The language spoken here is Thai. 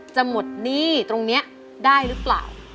จะหมดหนี้ตรงนี้ได้หรือเปล่า